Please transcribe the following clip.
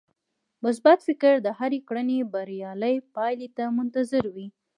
مثبت فکر د هرې کړنې بريالۍ پايلې ته منتظر وي.